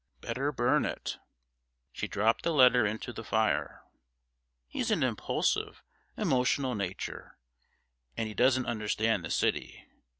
Better burn it.' She dropped the letter into the fire. 'He's an impulsive, emotional nature, and he doesn't understand the City.